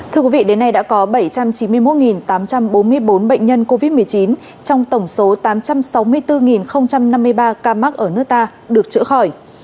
thưa quý vị đến nay đã có bảy trăm chín mươi một tám trăm bốn mươi bốn bệnh nhân covid một mươi chín trong tổng số tám trăm sáu mươi bốn năm mươi ba ca mắc ở nước ta được chữa khỏi